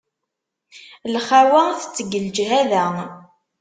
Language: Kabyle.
Lxawa tettegg leǧhada.